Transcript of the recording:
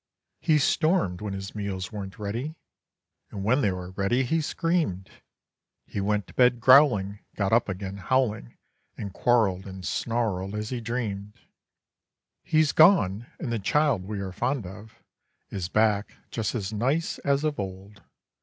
He stormed when his meals weren't ready, And when they were ready, he screamed. He went to bed growling, got up again howling And quarreled and snarled as he dreamed. He's gone, and the child we are fond of Is back, just as nice as of old.